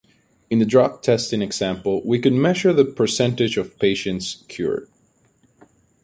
In the drug testing example, we could measure the percentage of patients cured.